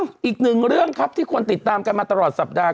อีกหนึ่งเรื่องครับที่คนติดตามกันมาตลอดสัปดาห